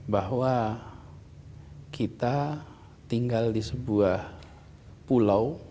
bahwa kita tinggal di sebuah pulau